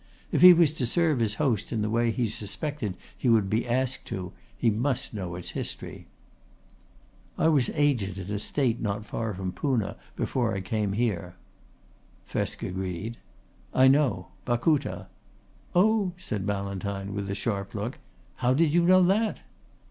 If he was to serve his host in the way he suspected he would be asked to, he must know its history. "I was agent in a state not far from Poona before I came here." Thresk agreed. "I know. Bakuta." "Oh?" said Ballantyne with a sharp look. "How did you know that?"